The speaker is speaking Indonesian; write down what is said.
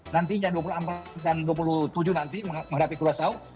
nantinya dua puluh empat dan dua puluh tujuh nanti menghadapi kurasau